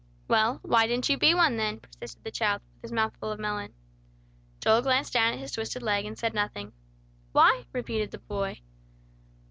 "Well, why didn't you be one then," persisted the child, with his mouth full of melon. Joel glanced down at his twisted leg, and said nothing. "Why?" repeated the boy.